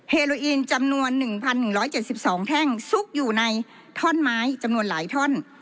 เโลอีนจำนวน๑๑๗๒แท่งซุกอยู่ในท่อนไม้จำนวนหลายท่อน